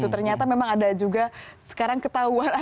ternyata memang ada juga sekarang ketahuan